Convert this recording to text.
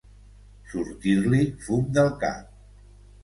Sortir-li fum del cap.